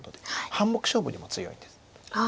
半目勝負にも強いんです。